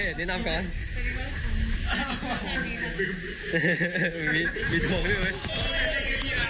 แม่นึกว่าน้องดอมมันนอนอยู่ข้างหลังนั้นมั้ง